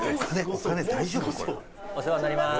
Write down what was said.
お世話になります。